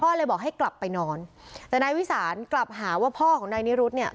เลยบอกให้กลับไปนอนแต่นายวิสานกลับหาว่าพ่อของนายนิรุธเนี่ย